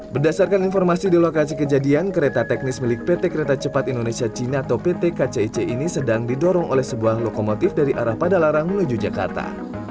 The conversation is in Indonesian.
berdasarkan informasi di lokasi kejadian kereta teknis milik pt kereta cepat indonesia cina atau pt kcic ini sedang didorong oleh sebuah lokomotif dari arah padalarang menuju jakarta